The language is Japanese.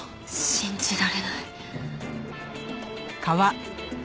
信じられない。